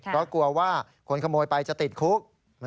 เพราะกลัวว่าคนขโมยไปจะติดคุก